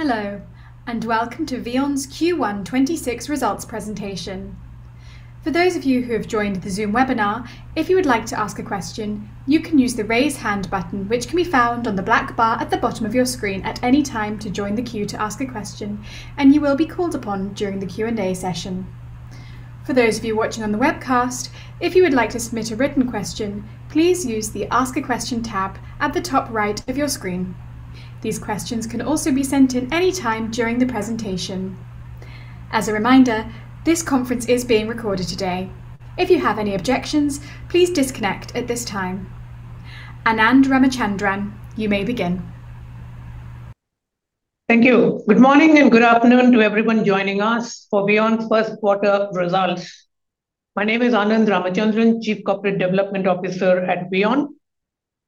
Hello, and welcome to VEON's Q1 2026 results presentation. For those of you who have joined the Zoom webinar, if you would like to ask a question, you can use the Raise Hand button which can be found on the black bar at the bottom of your screen at any time to join the queue to ask a question, and you will be called upon during the Q&A session. For those of you watching on the webcast, if you would like to submit a written question, please use the Ask a Question tab at the top right of your screen. These questions can also be sent in any time during the presentation. As a reminder, this conference is being recorded today. If you have any objections, please disconnect at this time. Anand Ramachandran, you may begin. Thank you. Good morning and good afternoon to everyone joining us for VEON's first quarter results. My name is Anand Ramachandran, Chief Corporate Development Officer at VEON.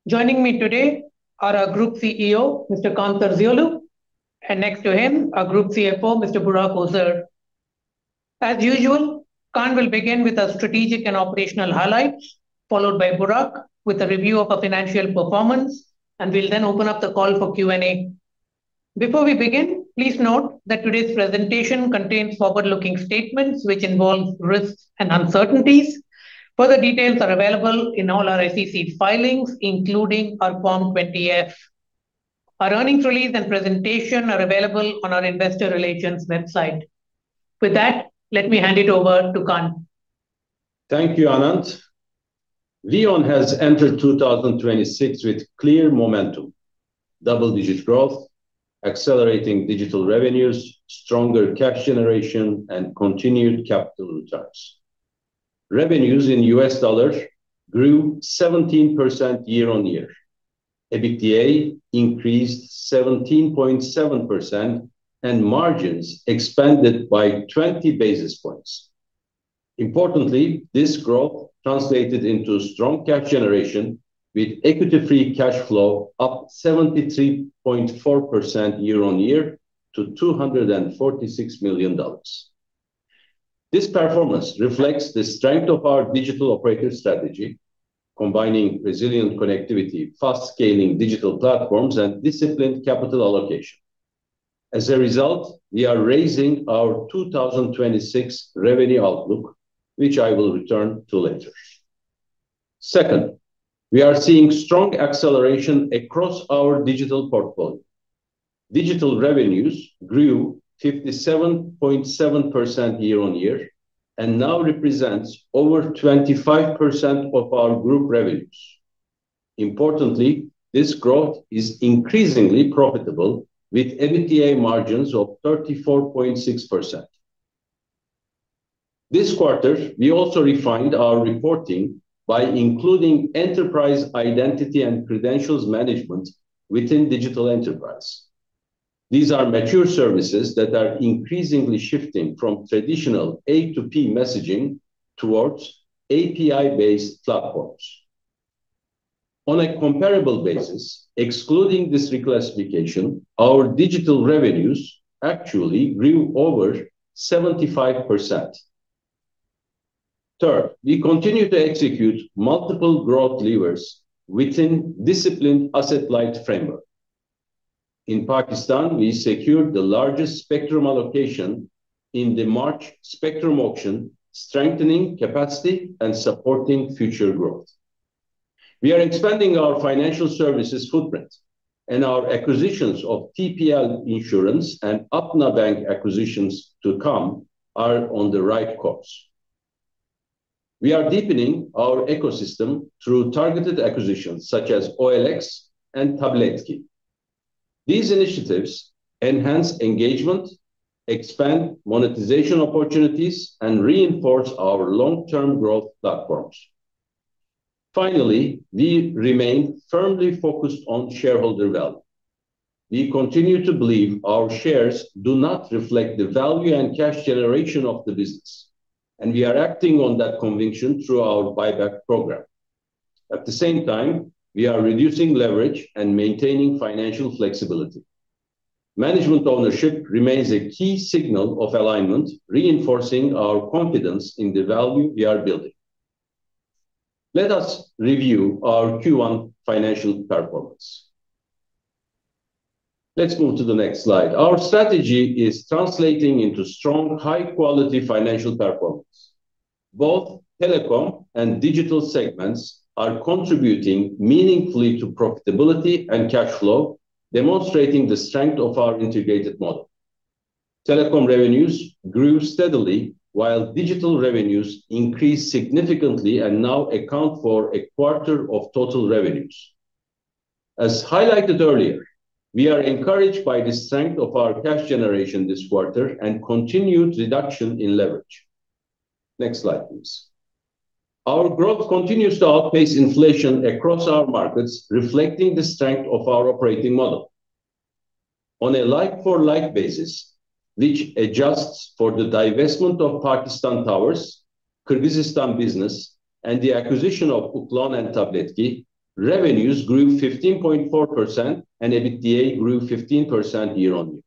Joining me today are our Group CEO, Mr. Kaan Terzioğlu. Next to him, our Group CFO, Mr. Burak Ozer. As usual, Kaan will begin with our strategic and operational highlights, followed by Burak with a review of our financial performance, and we'll then open up the call for Q&A. Before we begin, please note that today's presentation contains forward-looking statements which involve risks and uncertainties. Further details are available in all our SEC filings, including our Form 20-F. Our earnings release and presentation are available on our investor relations website. With that, let me hand it over to Kaan. Thank you, Anand. VEON has entered 2026 with clear momentum: double-digit growth, accelerating digital revenues, stronger cash generation, and continued capital returns. Revenues in USD grew 17% year-on-year. EBITDA increased 17.7%, and margins expanded by 20 basis points. Importantly, this growth translated into strong cash generation with equity free cash flow up 73.4% year-on-year to $246 million. This performance reflects the strength of our digital operator strategy, combining resilient connectivity, fast-scaling digital platforms, and disciplined capital allocation. As a result, we are raising our 2026 revenue outlook, which I will return to later. Second, we are seeing strong acceleration across our digital portfolio. Digital revenues grew 57.7% year-on-year and now represents over 25% of our group revenues. Importantly, this growth is increasingly profitable with EBITDA margins of 34.6%. This quarter, we also refined our reporting by including enterprise identity and credentials management within digital enterprise. These are mature services that are increasingly shifting from traditional A2P messaging towards API-based platforms. On a comparable basis, excluding this reclassification, our digital revenues actually grew over 75%. Third, we continue to execute multiple growth levers within disciplined asset-light framework. In Pakistan, we secured the largest spectrum allocation in the March spectrum auction, strengthening capacity and supporting future growth. We are expanding our financial services footprint, and our acquisitions of TPL Insurance and Apna Bank acquisitions to come are on the right course. We are deepening our ecosystem through targeted acquisitions such as OLX and Tabletki. These initiatives enhance engagement, expand monetization opportunities, and reinforce our long-term growth platforms. We remain firmly focused on shareholder value. We continue to believe our shares do not reflect the value and cash generation of the business, we are acting on that conviction through our buyback program. At the same time, we are reducing leverage and maintaining financial flexibility. Management ownership remains a key signal of alignment, reinforcing our confidence in the value we are building. Let us review our Q1 financial performance. Let's move to the next slide. Our strategy is translating into strong, high-quality financial performance. Both telecom and digital segments are contributing meaningfully to profitability and cash flow, demonstrating the strength of our integrated model. Telecom revenues grew steadily while digital revenues increased significantly and now account for a quarter of total revenues. As highlighted earlier, we are encouraged by the strength of our cash generation this quarter and continued reduction in leverage. Next slide, please. Our growth continues to outpace inflation across our markets, reflecting the strength of our operating model. On a like-for-like basis, which adjusts for the divestment of Pakistan Towers, Kyrgyzstan business, and the acquisition of Uklon and Tabletki, revenues grew 15.4% and EBITDA grew 15% year-over-year.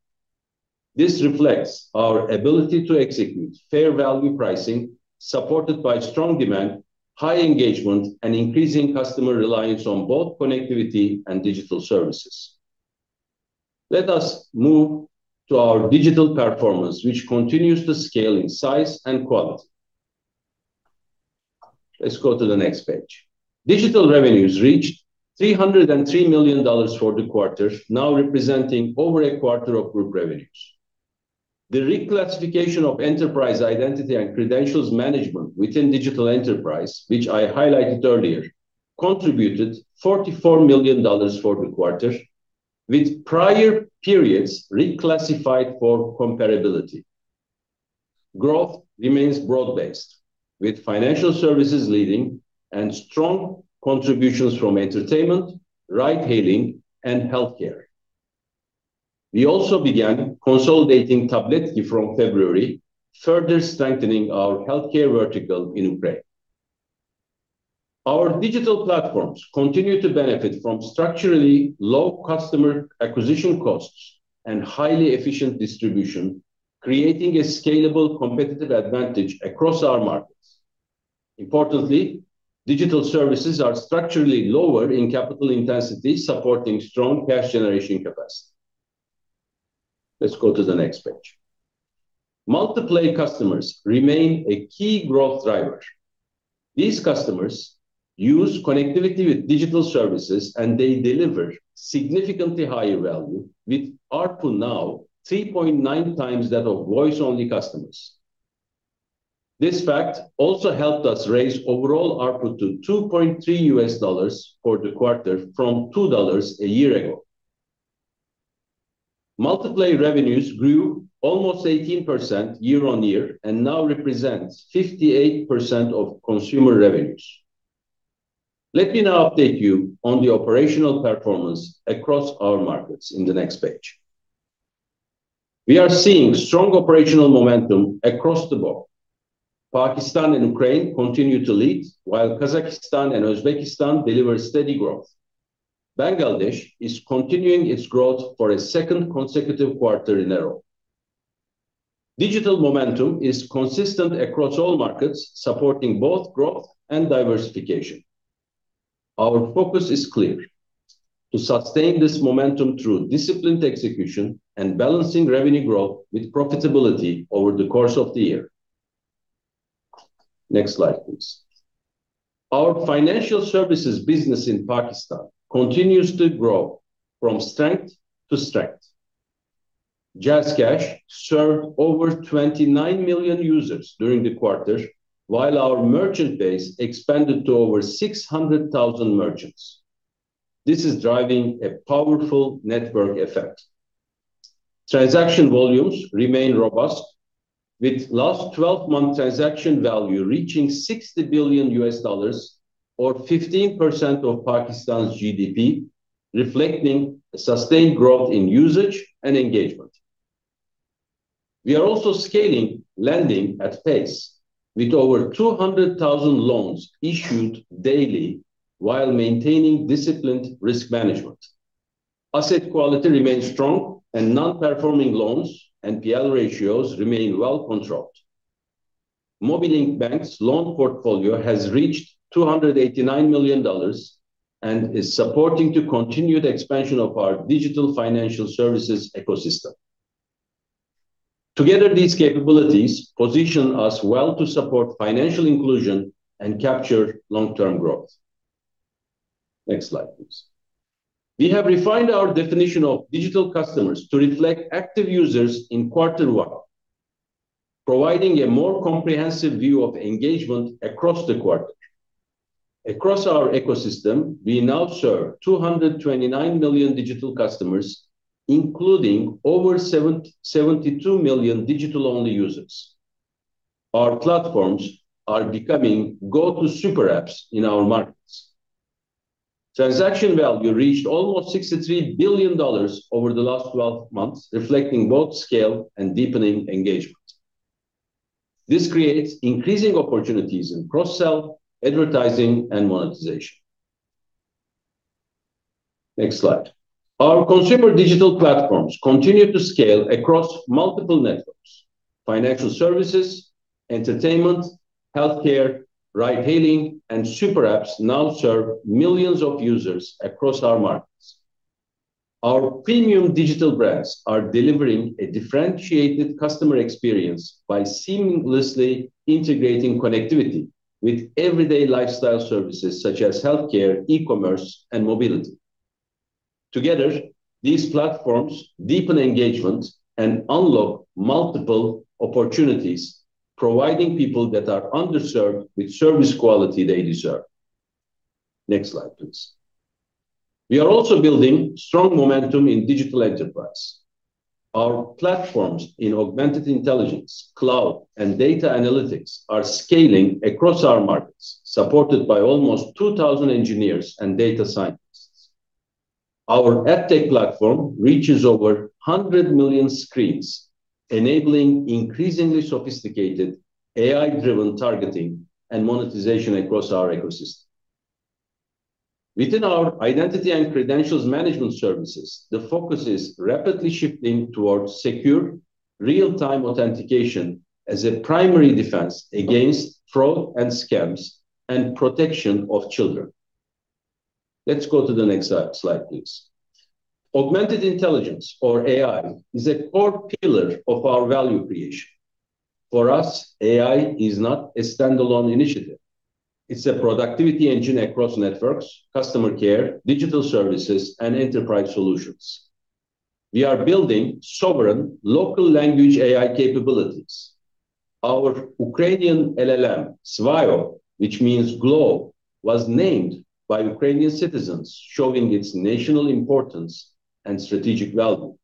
This reflects our ability to execute fair value pricing supported by strong demand, high engagement, and increasing customer reliance on both connectivity and digital services. Let us move to our digital performance, which continues to scale in size and quality. Let's go to the next page. Digital revenues reached $303 million for the quarter, now representing over a quarter of group revenues. The reclassification of enterprise identity and credentials management within digital enterprise, which I highlighted earlier, contributed $44 million for the quarter, with prior periods reclassified for comparability. Growth remains broad-based, with financial services leading and strong contributions from entertainment, ride hailing, and healthcare. We also began consolidating Tabletki from February, further strengthening our healthcare vertical in Ukraine. Our digital platforms continue to benefit from structurally low customer acquisition costs and highly efficient distribution, creating a scalable competitive advantage across our markets. Importantly, digital services are structurally lower in capital intensity, supporting strong cash generation capacity. Let's go to the next page. Multi-play customers remain a key growth driver. These customers use connectivity with digital services, and they deliver significantly higher value, with ARPU now 3.9x that of voice-only customers. This fact also helped us raise overall ARPU to $2.3 for the quarter from $2 a year ago. Multi-play revenues grew almost 18% year-on-year and now represents 58% of consumer revenues. Let me now update you on the operational performance across our markets in the Next page. We are seeing strong operational momentum across the board. Pakistan and Ukraine continue to lead, while Kazakhstan and Uzbekistan deliver steady growth. Bangladesh is continuing its growth for a second consecutive quarter in a row. Digital momentum is consistent across all markets, supporting both growth and diversification. Our focus is clear: to sustain this momentum through disciplined execution and balancing revenue growth with profitability over the course of the year. Next slide, please. Our financial services business in Pakistan continues to grow from strength to strength. JazzCash served over 29 million users during the quarter, while our merchant base expanded to over 600,000 merchants. This is driving a powerful network effect. Transaction volumes remain robust, with last 12-month transaction value reaching $60 billion or 15% of Pakistan's GDP, reflecting a sustained growth in usage and engagement. We are also scaling lending at pace with over 200,000 loans issued daily while maintaining disciplined risk management. Asset quality remains strong, non-performing loans NPL ratios remain well-controlled. Mobilink Bank's loan portfolio has reached $289 million and is supporting the continued expansion of our digital financial services ecosystem. Together, these capabilities position us well to support financial inclusion and capture long-term growth. Next slide, please. We have refined our definition of digital customers to reflect active users in Q1, providing a more comprehensive view of engagement across the quarter. Across our ecosystem, we now serve 229 million digital customers, including over 72 million digital-only users. Our platforms are becoming go-to super apps in our markets. Transaction value reached almost $63 billion over the last 12 months, reflecting both scale and deepening engagement. This creates increasing opportunities in cross-sell, advertising and monetization. Next slide. Our consumer digital platforms continue to scale across multiple networks. Financial services, entertainment, healthcare, ride hailing and super apps now serve millions of users across our markets. Our premium digital brands are delivering a differentiated customer experience by seamlessly integrating connectivity with everyday lifestyle services such as healthcare, e-commerce and mobility. Together, these platforms deepen engagement and unlock multiple opportunities, providing people that are underserved with service quality they deserve. Next slide, please. We are also building strong momentum in digital enterprise. Our platforms in augmented intelligence, cloud and data analytics are scaling across our markets, supported by almost 2,000 engineers and data scientists. Our AdTech platform reaches over 100 million screens, enabling increasingly sophisticated AI-driven targeting and monetization across our ecosystem. Within our identity and credentials management services, the focus is rapidly shifting towards secure real-time authentication as a primary defense against fraud and scams and protection of children. Let's go to the next slide, please. Augmented Intelligence or AI is a core pillar of our value creation. For us, AI is not a standalone initiative. It's a productivity engine across networks, customer care, digital services, and enterprise solutions. We are building sovereign local language AI capabilities. Our Ukrainian LLM, Svio, which means globe, was named by Ukrainian citizens, showing its national importance and strategic value.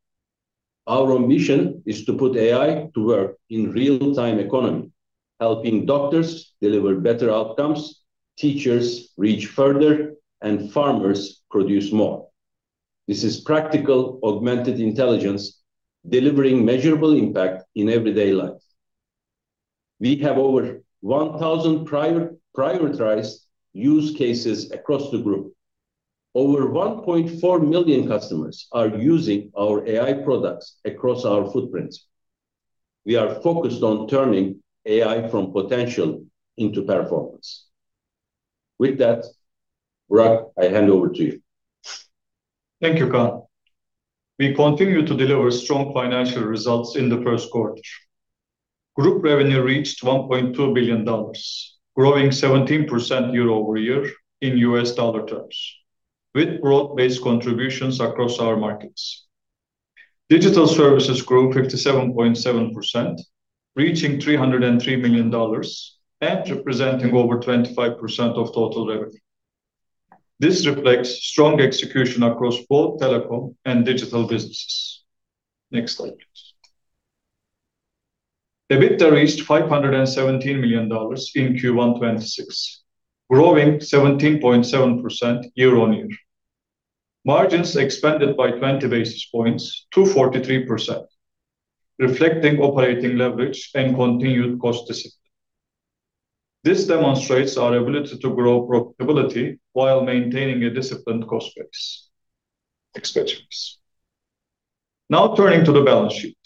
Our ambition is to put AI to work in real-time economy, helping doctors deliver better outcomes, teachers reach further, and farmers produce more. This is practical augmented intelligence delivering measurable impact in everyday life. We have over 1,000 prioritized use cases across the group. Over 1.4 million customers are using our AI products across our footprint. We are focused on turning AI from potential into performance. With that, Burak, I hand over to you. Thank you, Kaan. We continue to deliver strong financial results in the first quarter. Group revenue reached $1.2 billion, growing 17% year-over-year in U.S. dollar terms, with broad-based contributions across our markets. Digital services grew 57.7%, reaching $303 million and representing over 25% of total revenue. This reflects strong execution across both telecom and digital businesses. Next slide, please. EBITDA reached $517 million in Q1 2026, growing 17.7% year-on-year. Margins expanded by 20 basis points to 43%, reflecting operating leverage and continued cost discipline. This demonstrates our ability to grow profitability while maintaining a disciplined cost base. Next slide, please. Now turning to the balance sheet.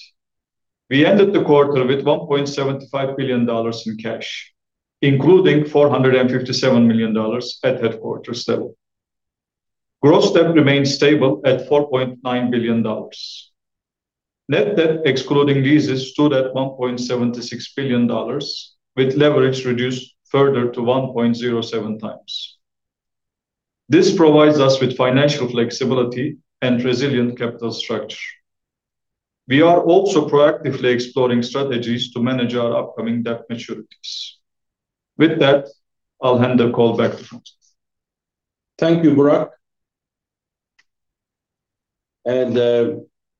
We ended the quarter with $1.75 billion in cash, including $457 million at headquarters level. Gross debt remains stable at $4.9 billion. Net debt excluding leases stood at $1.76 billion with leverage reduced further to 1.07x. This provides us with financial flexibility and resilient capital structure. We are also proactively exploring strategies to manage our upcoming debt maturities. With that, I'll hand the call back to Kaan. Thank you, Burak.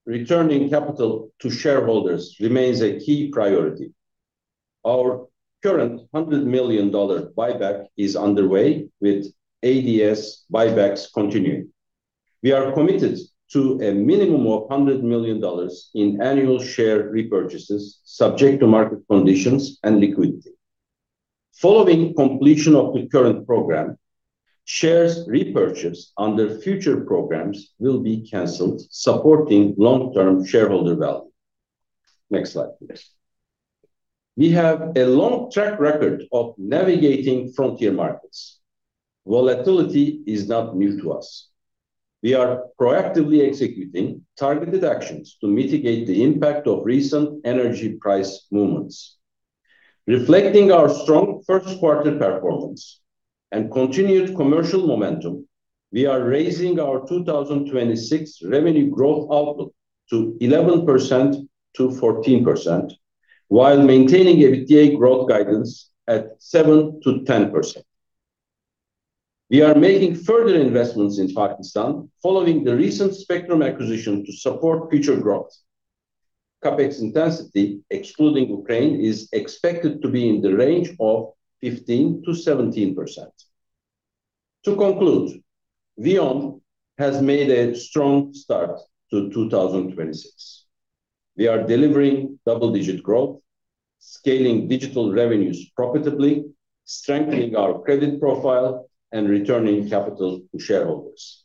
Returning capital to shareholders remains a key priority. Our current $100 million buyback is underway with ADS buybacks continuing. We are committed to a minimum of $100 million in annual share repurchases subject to market conditions and liquidity. Following completion of the current program, shares repurchased under future programs will be canceled, supporting long-term shareholder value. Next slide, please. We have a long track record of navigating frontier markets. Volatility is not new to us. We are proactively executing targeted actions to mitigate the impact of recent energy price movements. Reflecting our strong first quarter performance and continued commercial momentum, we are raising our 2026 revenue growth outlook to 11%-14% while maintaining EBITDA growth guidance at 7%-10%. We are making further investments in Pakistan following the recent spectrum acquisition to support future growth. CapEx intensity, excluding Ukraine, is expected to be in the range of 15%-17%. To conclude, VEON has made a strong start to 2026. We are delivering double-digit growth, scaling digital revenues profitably, strengthening our credit profile, and returning capital to shareholders.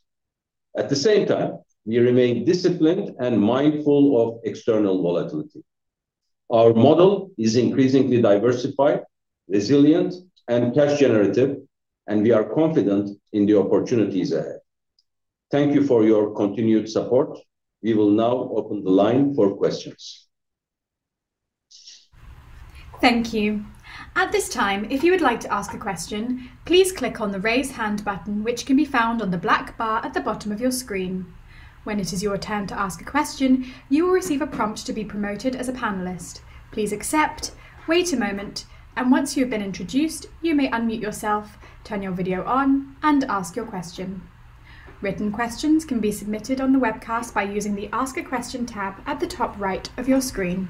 At the same time, we remain disciplined and mindful of external volatility. Our model is increasingly diversified, resilient, and cash generative, and we are confident in the opportunities ahead. Thank you for your continued support. We will now open the line for questions. Thank you. At this time, if you would like to ask a question, please click on the Raise Hand button, which can be found on the black bar at the bottom of your screen. When it is your turn to ask a question, you will receive a prompt to be promoted as a panelist. Please accept, wait a moment, and once you have been introduced, you may unmute yourself, turn your video on and ask your question. Written questions can be submitted on the webcast by using the Ask a Question tab at the top right of your screen.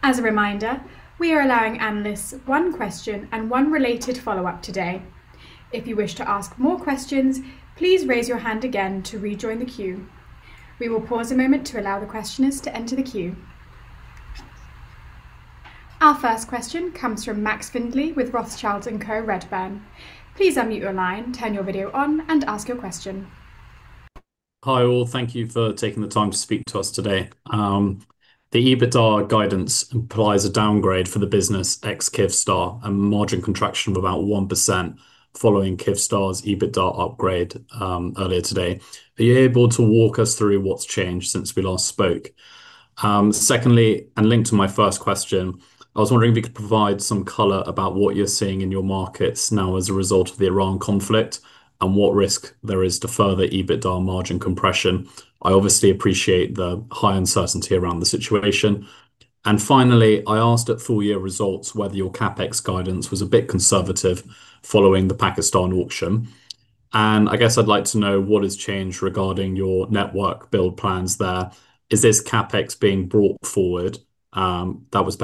As a reminder, we are allowing analysts one question and one related follow-up today. If you wish to ask more questions, please raise your hand again to rejoin the queue. We will pause a moment to allow the questioners to enter the queue. Our first question comes from Max Findlay with Rothschild & Co Redburn. Please unmute your line, turn your video on and ask your question. Hi, all. Thank you for taking the time to speak to us today. The EBITDA guidance implies a downgrade for the business ex-Kyivstar and margin contraction of about 1% following Kyivstar's EBITDA upgrade earlier today. Are you able to walk us through what's changed since we last spoke? Secondly, and linked to my first question, I was wondering if you could provide some color about what you're seeing in your markets now as a result of the Iran conflict and what risk there is to further EBITDA margin compression. I obviously appreciate the high uncertainty around the situation. Finally, I asked at full year results whether your CapEx guidance was a bit conservative following the Pakistan auction. I guess I'd like to know what has changed regarding your network build plans there. Is this CapEx being brought forward, that was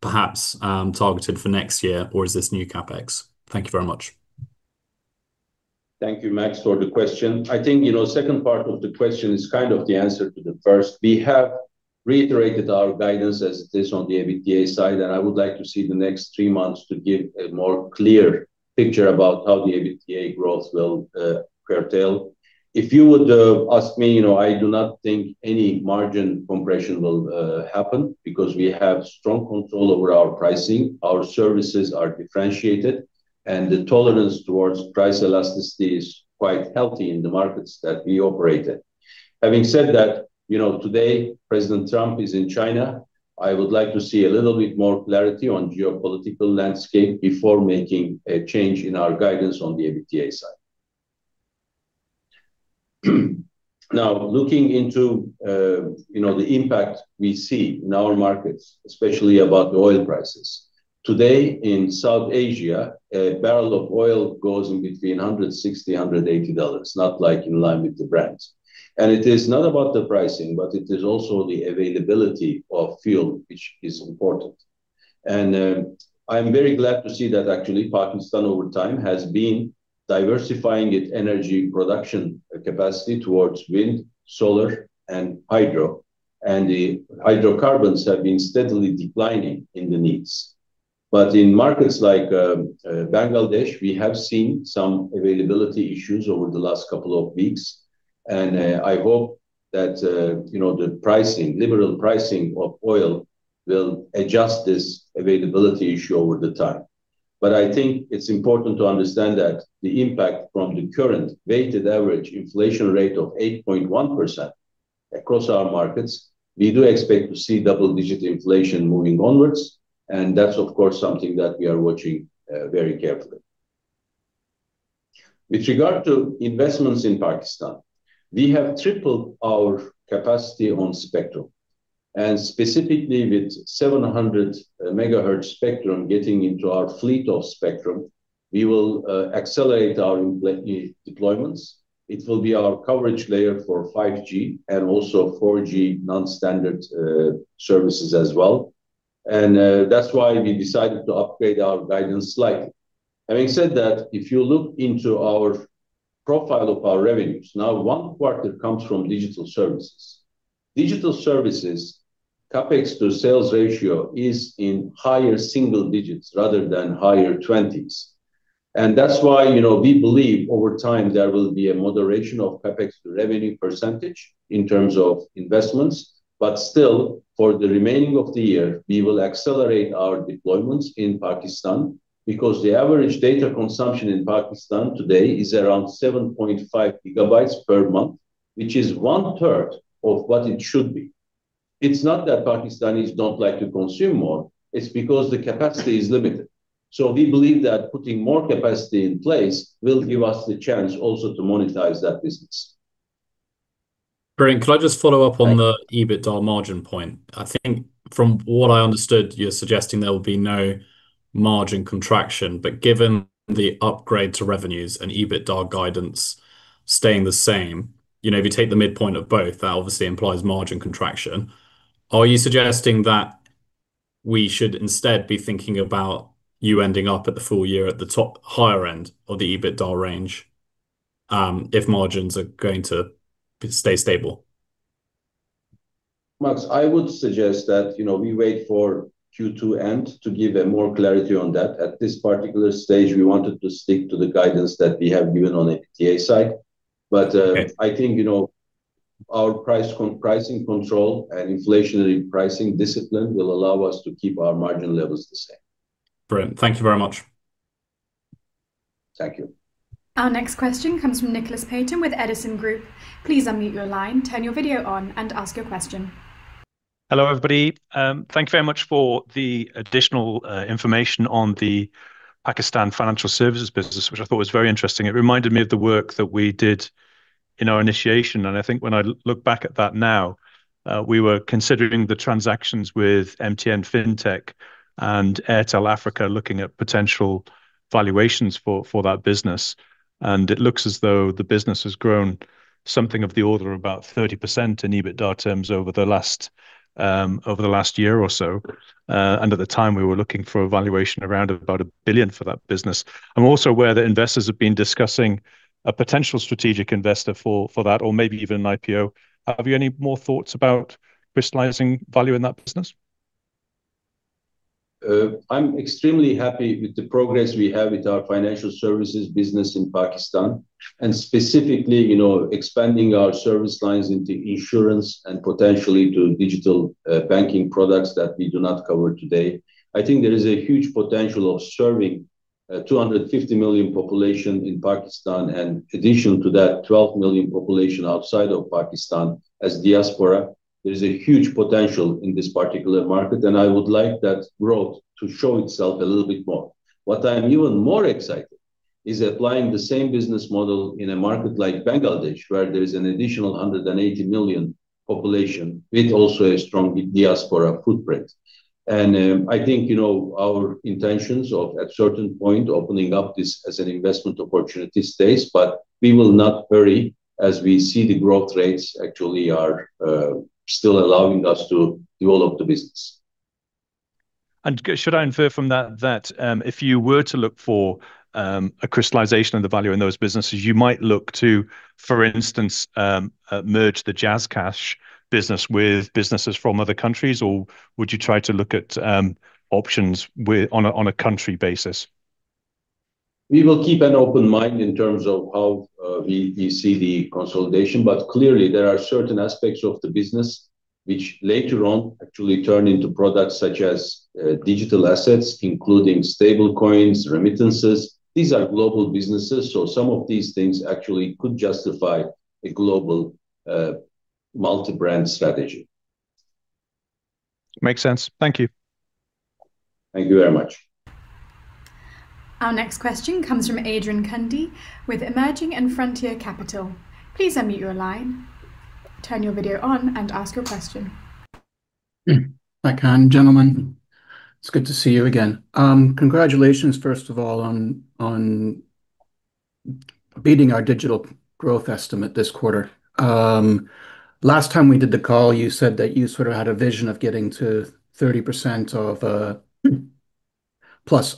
perhaps targeted for next year, or is this new CapEx? Thank you very much. Thank you, Max, for the question. I think, you know, second part of the question is kind of the answer to the first. We have reiterated our guidance as it is on the EBITDA side, and I would like to see the next three months to give a more clear picture about how the EBITDA growth will curtail. If you would ask me, you know, I do not think any margin compression will happen because we have strong control over our pricing. Our services are differentiated, and the tolerance towards price elasticity is quite healthy in the markets that we operate in. Having said that, you know, today President Trump is in China. I would like to see a little bit more clarity on geopolitical landscape before making a change in our guidance on the EBITDA side. Now, looking into, you know, the impact we see in our markets, especially about the oil prices. Today in South Asia, a barrel of oil goes in between $160-$180, not like in line with the brands. It is not about the pricing, but it is also the availability of fuel which is important. I am very glad to see that actually Pakistan over time has been diversifying its energy production capacity towards wind, solar and hydro. The hydrocarbons have been steadily declining in the needs. In markets like, Bangladesh, we have seen some availability issues over the last couple of weeks, I hope that, you know, the pricing, liberal pricing of oil will adjust this availability issue over the time. I think it's important to understand that the impact from the current weighted average inflation rate of 8.1% across our markets, we do expect to see double-digit inflation moving onwards, and that's of course something that we are watching very carefully. With regard to investments in Pakistan, we have tripled our capacity on spectrum, and specifically with 700 MHz spectrum getting into our fleet of spectrum, we will accelerate our deployments. It will be our coverage layer for 5G and also 4G non-standard services as well. That's why we decided to upgrade our guidance slightly. Having said that, if you look into our profile of our revenues, now one quarter comes from digital services. Digital services CapEx to sales ratio is in higher single digits rather than higher 20s. That's why, you know, we believe over time there will be a moderation of CapEx to revenue percentage in terms of investments. Still, for the remaining of the year, we will accelerate our deployments in Pakistan because the average data consumption in Pakistan today is around 7.5 GB per month, which is 1/3 of what it should be. It's not that Pakistanis don't like to consume more, it's because the capacity is limited. We believe that putting more capacity in place will give us the chance also to monetize that business. Kaan, could I just follow up on the. Right EBITDA margin point? I think from what I understood, you're suggesting there will be no margin contraction. Given the upgrade to revenues and EBITDA guidance staying the same, you know, if you take the midpoint of both, that obviously implies margin contraction. Are you suggesting that we should instead be thinking about you ending up at the full year at the top higher end of the EBITDA range if margins are going to stay stable? Max, I would suggest that, you know, we wait for Q2 end to give more clarity on that. At this particular stage, we wanted to stick to the guidance that we have given on the FTA side. Okay I think, you know, our pricing control and inflationary pricing discipline will allow us to keep our margin levels the same. Brilliant. Thank you very much. Thank you. Our next question comes from Nicholas Paton with Edison Group. Please unmute your line, turn your video on and ask your question. Hello, everybody. Thank you very much for the additional information on the Pakistan financial services business, which I thought was very interesting. It reminded me of the work that we did in our initiation, and I think when I look back at that now, we were considering the transactions with MTN Group Fintech and Airtel Africa, looking at potential valuations for that business. It looks as though the business has grown something of the order of about 30% in EBITDA terms over the last over the last year or so. At the time, we were looking for a valuation around about a billion for that business. I'm also aware that investors have been discussing a potential strategic investor for that or maybe even an IPO. Have you any more thoughts about crystallizing value in that business? I'm extremely happy with the progress we have with our financial services business in Pakistan, and specifically, you know, expanding our service lines into insurance and potentially to digital banking products that we do not cover today. I think there is a huge potential of serving 250 million population in Pakistan, and additional to that, 12 million population outside of Pakistan as diaspora. There's a huge potential in this particular market, I would like that growth to show itself a little bit more. What I'm even more excited is applying the same business model in a market like Bangladesh, where there's an additional 180 million population with also a strong diaspora footprint. I think, you know, our intentions of at certain point opening up this as an investment opportunity stays, but we will not hurry as we see the growth rates actually are still allowing us to develop the business. Should I infer from that, if you were to look for a crystallization of the value in those businesses, you might look to, for instance, merge the JazzCash business with businesses from other countries? Or would you try to look at options with, on a country basis? We will keep an open mind in terms of how we see the consolidation, but clearly there are certain aspects of the business which later on actually turn into products such as, digital assets, including stablecoins, remittances. These are global businesses, so some of these things actually could justify a global, multi-brand strategy. Makes sense. Thank you. Thank you very much. Our next question comes from Adrian Cundy with Emerging and Frontier Capital. Please unmute your line, turn your video on and ask your question. Hi, Kaan. Gentlemen, it's good to see you again. Congratulations, first of all, on beating our digital growth estimate this quarter. Last time we did the call, you said that you had a vision of getting to 30%+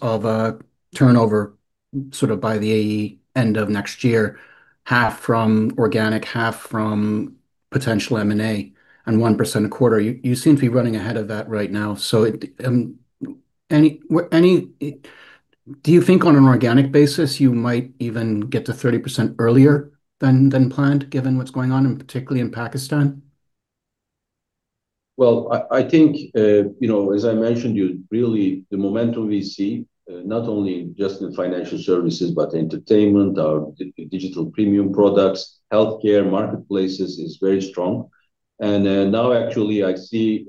of turnover by the AE end of next year, half from organic, half from potential M&A, and 1% a quarter. You seem to be running ahead of that right now. Do you think on an organic basis you might even get to 30% earlier than planned, given what's going on in, particularly in Pakistan? Well, I think, you know, as I mentioned, you really, the momentum we see, not only just in financial services, but entertainment, our digital premium products, healthcare, marketplaces is very strong. Now actually I see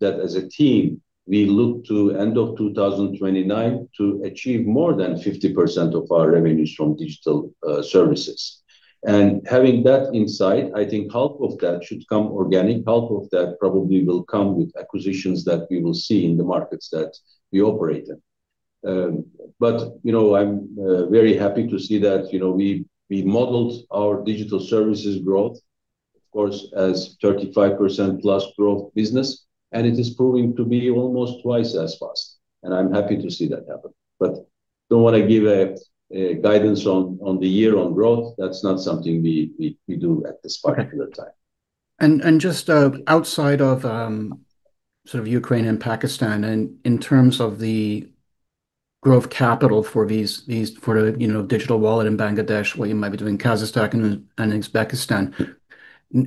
that as a team, we look to end of 2029 to achieve more than 50% of our revenues from digital services. Having that insight, I think half of that should come organic, half of that probably will come with acquisitions that we will see in the markets that we operate in. You know, I'm very happy to see that, you know, we modeled our digital services growth, of course, as 35%+ growth business, and it is proving to be almost twice as fast. I'm happy to see that happen. Don't wanna give a guidance on the year on growth. That's not something we do at this particular time. Okay. Just outside of sort of Ukraine and Pakistan and in terms of the growth capital for these, for, you know, digital wallet in Bangladesh, what you might be doing Kazakhstan and Uzbekistan,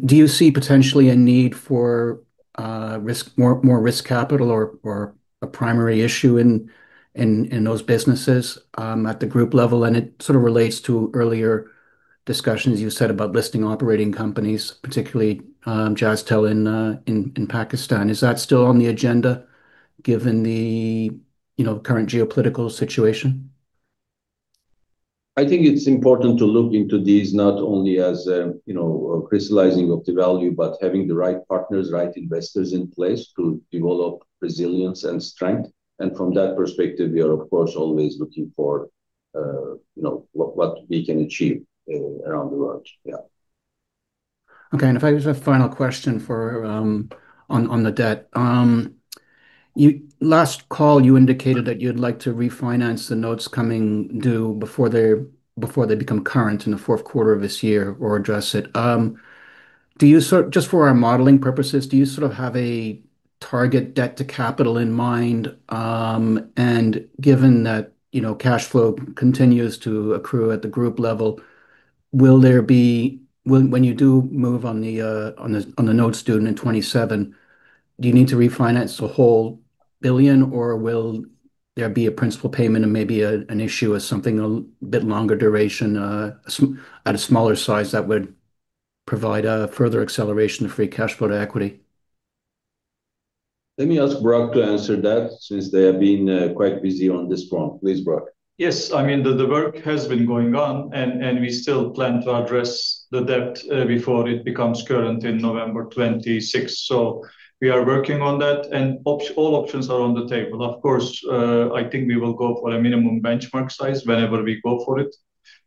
do you see potentially a need for more risk capital or a primary issue in those businesses at the group level? It sort of relates to earlier discussions you said about listing operating companies, particularly Jazz in Pakistan. Is that still on the agenda given the, you know, current geopolitical situation? I think it's important to look into these not only as, you know, crystallizing of the value, but having the right partners, right investors in place to develop resilience and strength. From that perspective, we are, of course, always looking for, you know, what we can achieve, around the world. Yeah. Okay. If I could ask a final question for on the debt. You last call, you indicated that you'd like to refinance the notes coming due before they become current in the fourth quarter of this year or address it. Do you sort of, just for our modeling purposes, do you have a target debt to capital in mind? Given that, you know, cash flow continues to accrue at the group level, will there be when you do move on the notes due in 2027, do you need to refinance a whole billion, or will there be a principal payment and maybe an issue of something a bit longer duration, at a smaller size that would provide a further acceleration of free cash flow to equity? Let me ask Burak to answer that since they have been quite busy on this front. Please, Burak. Yes. I mean, the work has been going on, and we still plan to address the debt before it becomes current in November 2026. We are working on that, and all options are on the table. Of course, I think we will go for a minimum benchmark size whenever we go for it.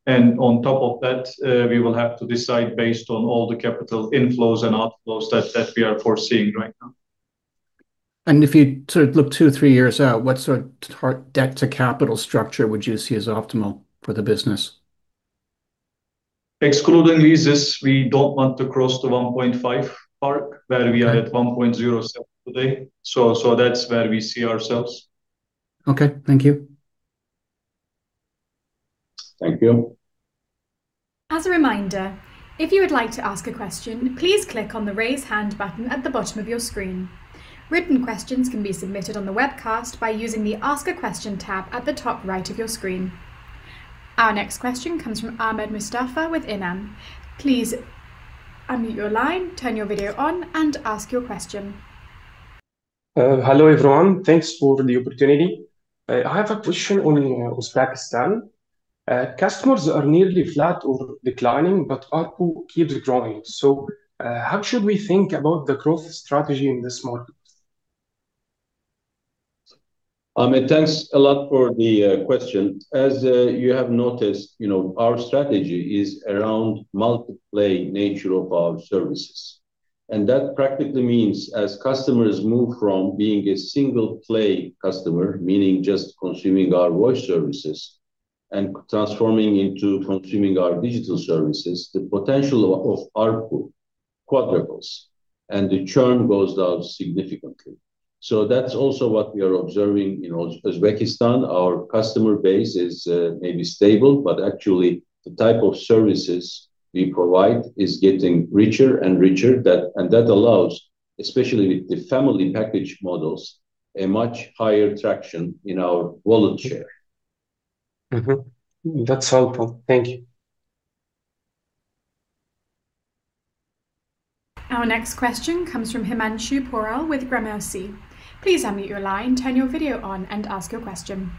On top of that, we will have to decide based on all the capital inflows and outflows that we are foreseeing right now. If you sort of look two, three years out, what sort of debt to capital structure would you see as optimal for the business? Excluding leases, we don't want to cross the 1.5% mark, where we are at 1.07% today. That's where we see ourselves. Okay. Thank you. Thank you. As a reminder, if you would like to ask a question, please click on the Raise Hand button at the bottom of your screen. Written questions can be submitted on the webcast by using the Ask a Question tab at the top right of your screen. Our next question comes from Ahmed Mostafa with INAM. Please unmute your line, turn your video on and ask your question. Hello, everyone. Thanks for the opportunity. I have a question on Uzbekistan. Customers are nearly flat or declining, but ARPU keeps growing. How should we think about the growth strategy in this market? Ahmed, thanks a lot for the question. You have noticed, you know, our strategy is around multi-play nature of our services, and that practically means as customers move from being a single-play customer, meaning just consuming our voice services, and transforming into consuming our digital services, the potential of ARPU quadruples and the churn goes down significantly. That's also what we are observing in Uzbekistan. Our customer base is maybe stable, but actually the type of services we provide is getting richer and richer. That allows, especially with the family package models, a much higher traction in our wallet share. Mm-hmm. That's helpful. Thank you. Our next question comes from Himanshu Porwal with BMO C. Please unmute your line, turn your video on and ask your question.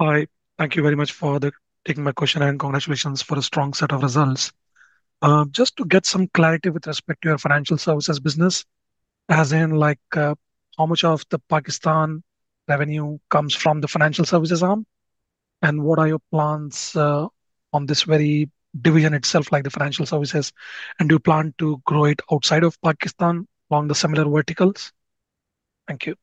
Hi. Thank you very much for taking my question, and congratulations for a strong set of results. Just to get some clarity with respect to your financial services business, as in like, how much of the Pakistan revenue comes from the financial services arm, and what are your plans on this very division itself, like the financial services, and do you plan to grow it outside of Pakistan on the similar verticals? Thank you.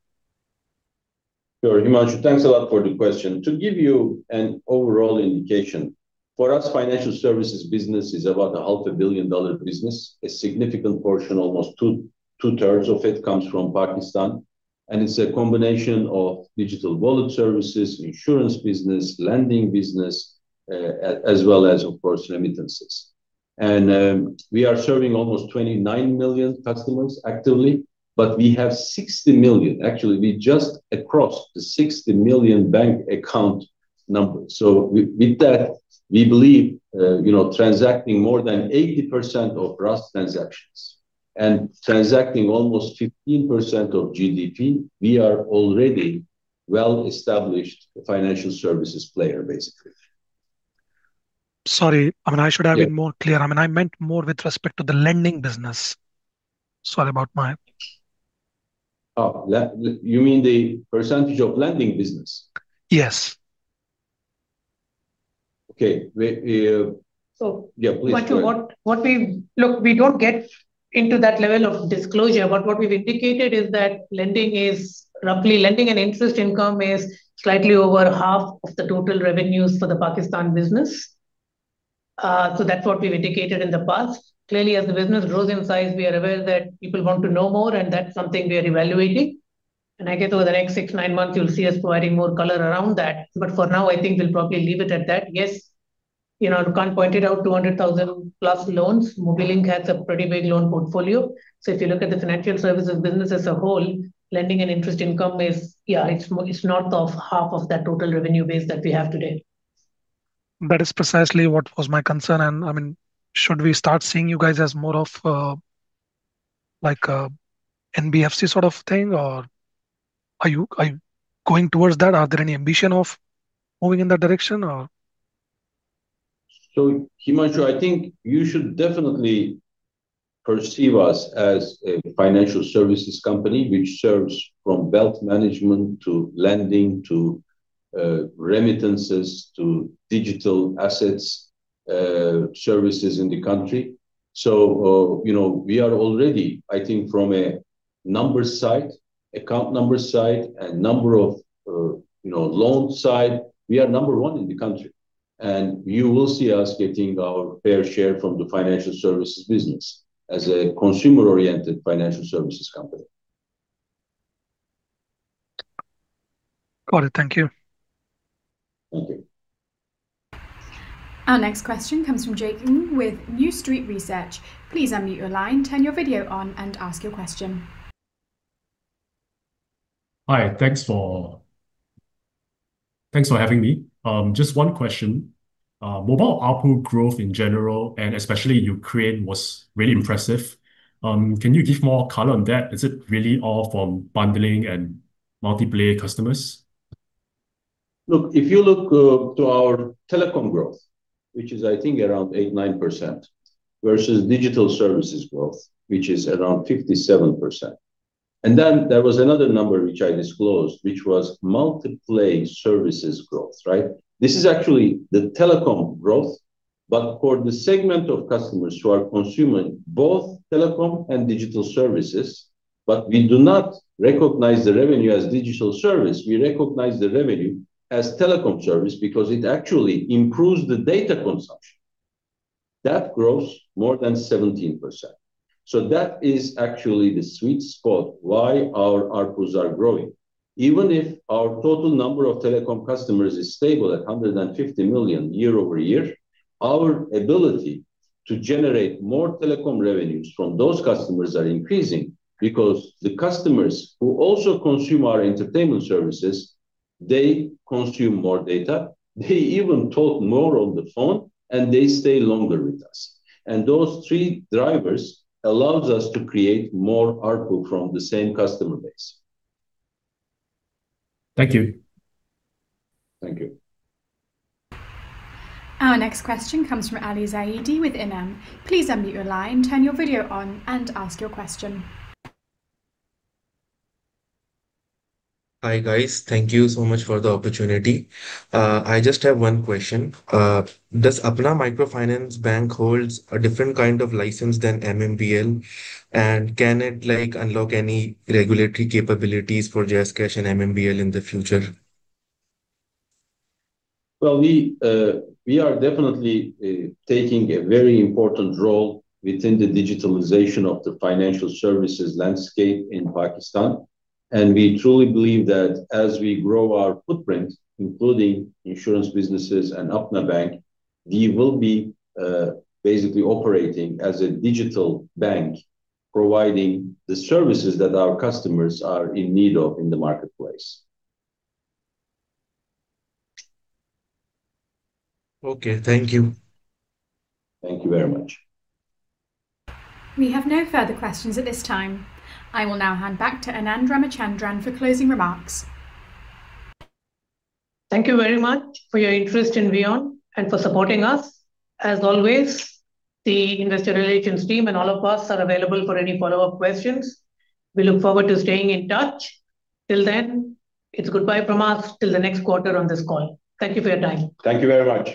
Sure, Himanshu. Thanks a lot for the question. To give you an overall indication, for us, financial services business is about a $500 million business. A significant portion, almost 2/3 of it, comes from Pakistan. It's a combination of digital wallet services, insurance business, lending business, as well as, of course, remittances. We are serving almost 29 million customers actively. We have 60 million. Actually, we just crossed the 60 million bank account number. With that, we believe, you know, transacting more than 80% of RAAST transactions and transacting almost 15% of GDP, we are already well-established financial services player, basically. Sorry. I mean, Yeah been more clear. I mean, I meant more with respect to the lending business. Oh, You mean the percentage of lending business? Yes. Okay. We. So- Yeah, please. Go ahead Himanshu, what we Look, we don't get into that level of disclosure, but what we've indicated is that Lending and interest income is slightly over half of the total revenues for the Pakistan business. That's what we've indicated in the past. Clearly, as the business grows in size, we are aware that people want to know more. That's something we are evaluating. I guess over the next six-nine months you'll see us providing more color around that. For now, I think we'll probably leave it at that. Yes, you know Kaan pointed out 200,000+ loans. Mobilink has a pretty big loan portfolio. If you look at the financial services business as a whole, lending and interest income is Yeah, it's north of half of that total revenue base that we have today. That is precisely what was my concern, I mean, should we start seeing you guys as more of, like a NBFC sort of thing, or are you going towards that? Are there any ambition of moving in that direction or? Himanshu, I think you should definitely perceive us as a financial services company which serves from wealth management to lending to remittances to digital assets, services in the country. You know, we are already, I think from a numbers side, account numbers side and number of, you know, loans side, we are number one in the country. You will see us getting our fair share from the financial services business as a consumer-oriented financial services company. Got it. Thank you. Thank you. Our next question comes from Jaslin Ng with New Street Research. Please unmute your line, turn your video on and ask your question. Hi. Thanks for having me. Just one question. Mobile ARPU growth in general, and especially Ukraine, was really impressive. Can you give more color on that? Is it really all from bundling and multi-play customers? Look, if you look to our telecom growth, which is I think around 8%, 9%, versus digital services growth, which is around 57%. Then there was another number which I disclosed, which was multi-play services growth, right? This is actually the telecom growth, but for the segment of customers who are consuming both telecom and digital services. We do not recognize the revenue as digital service. We recognize the revenue as telecom service because it actually improves the data consumption. That grows more than 17%. That is actually the sweet spot why our ARPUs are growing. Even if our total number of telecom customers is stable at 150 million year-over-year, our ability to generate more telecom revenues from those customers are increasing because the customers who also consume our entertainment services, they consume more data. They even talk more on the phone, and they stay longer with us. Those three drivers allows us to create more ARPU from the same customer base. Thank you. Thank you. Our next question comes from Ali Zaidi with INAM. Please unmute your line, turn your video on and ask your question. Hi, guys. Thank you so much for the opportunity. I just have one question. Does Apna Microfinance Bank holds a different kind of license than MMBL? Can it, like, unlock any regulatory capabilities for JazzCash and MMBL in the future? Well, we are definitely taking a very important role within the digitalization of the financial services landscape in Pakistan. We truly believe that as we grow our footprint, including insurance businesses and Apna Bank, we will be basically operating as a digital bank, providing the services that our customers are in need of in the marketplace. Okay. Thank you. Thank you very much. We have no further questions at this time. I will now hand back to Anand Ramachandran for closing remarks. Thank you very much for your interest in VEON and for supporting us. As always, the investor relations team and all of us are available for any follow-up questions. We look forward to staying in touch. Till then, it's goodbye from us till the next quarter on this call. Thank you for your time. Thank you very much.